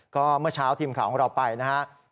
ก็เมื่อเช้าทีมข่าวของเราไปนะครับ